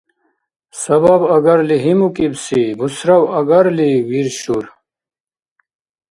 Сабаб агарли гьимукӀибси, бусрав агарли виршур.